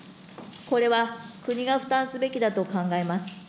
これは国が負担すべきだと考えます。